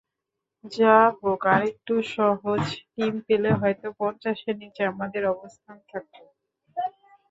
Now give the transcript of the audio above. যাহোক, আরেকটু সহজ টিম পেলে হয়তো পঞ্চাশের নিচে আমাদের অবস্থান থাকত।